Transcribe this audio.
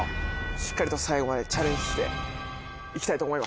しっかりと最後までチャレンジしていきたいと思います。